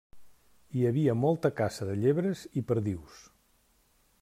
Hi havia molta caça de llebres i perdius.